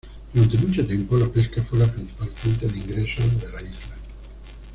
Durante mucho tiempo, la pesca fue la principal fuente de ingresos de la isla.